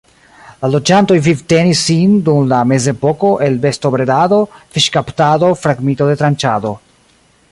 La loĝantoj vivtenis sin dum la mezepoko el bestobredado, fiŝkaptado, fragmito-detranĉado.